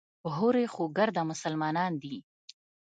هورې خو ګرده مسلمانان دي.